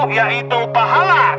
yaitu pahala kemenangan